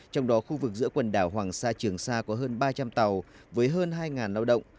trong đó khu vực giữa quần đảo hoàng sa trường sa có hơn ba trăm linh tàu với hơn hai lao động